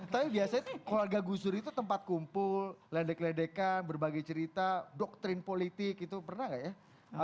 tapi biasanya tuh keluarga gus dur itu tempat kumpul ledek ledekan berbagai cerita doktrin politik itu pernah nggak ya